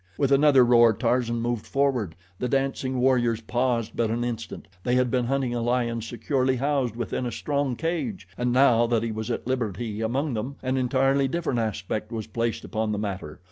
With another roar, Tarzan moved forward. The dancing warriors paused but an instant. They had been hunting a lion securely housed within a strong cage, and now that he was at liberty among them, an entirely different aspect was placed upon the matter.